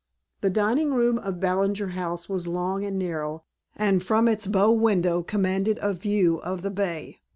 The dining room of Ballinger House was long and narrow and from its bow window commanded a view of the Bay.